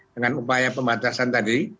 dengan upaya pembatasan tadi